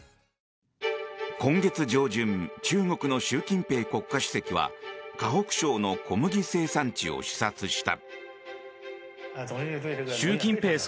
今月上旬中国の習近平国家主席は河北省の小麦生産地を視察した。